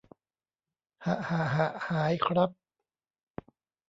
หะหะหะหายครับ